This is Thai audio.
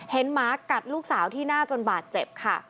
หมากัดลูกสาวที่หน้าจนบาดเจ็บค่ะ